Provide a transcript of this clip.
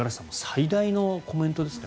最大のコメントですね